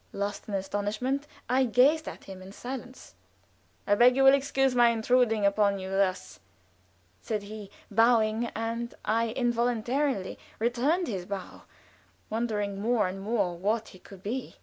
Lost in astonishment, I gazed at him in silence. "I beg you will excuse my intruding upon you thus," said he, bowing, and I involuntarily returned his bow, wondering more and more what he could be.